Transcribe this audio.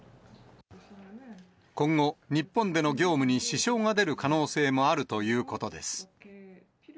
今後、日本での業務に支障が出る可能性もあるということです。